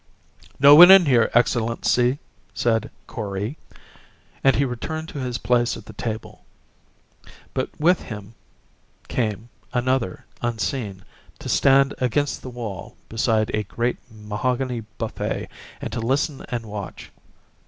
"No one here, Excellency," said Kori; and he returned to his place at the table. But with him came another, unseen, to stand against the wall beside a great mahogany buffet, and to listen and watch.